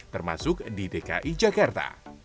termasuk di dki jakarta